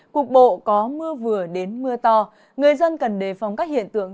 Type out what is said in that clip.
cục bộ có mưa vừa đến mưa to người dân cần đề phóng các hiện tượng